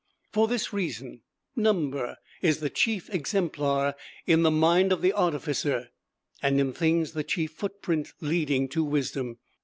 For this reason, number is the chief exemplar in the mind of the artificer, and in things the chief footprint leading to wisdom.